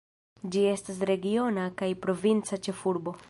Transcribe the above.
Ĝi estas regiona kaj provinca ĉefurboj.